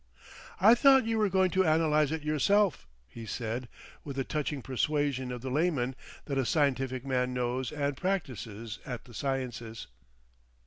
"I thought you were going to analyse it yourself," he said with the touching persuasion of the layman that a scientific man knows and practises at the sciences.